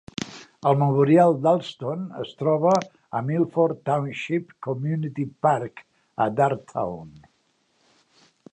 El Memorial d'Alston es troba al Milford Township Community Park, a Darrtown.